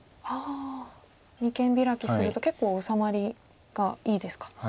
ああ二間ビラキすると結構治まりがいいですか。